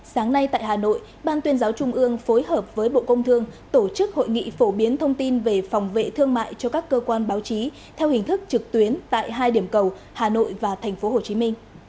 sáng nay tại hà nội ban tuyên giáo trung ương phối hợp với bộ công thương tổ chức hội nghị phổ biến thông tin về phòng vệ thương mại cho các cơ quan báo chí theo hình thức trực tuyến tại hai điểm cầu hà nội và tp hcm